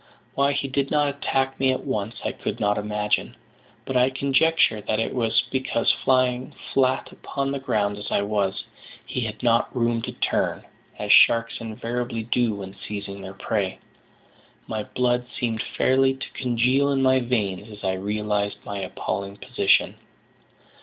Why he did not attack me at once I could not imagine; but I conjecture that it was because, lying flat upon the ground as I was, he had not room to turn, as sharks invariably do when seizing their prey. My blood seemed fairly to congeal in my veins as I realised my appalling position.